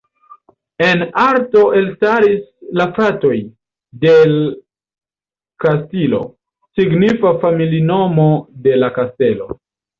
En arto elstaris la fratoj "del Castillo", signifa familinomo "de la Kastelo".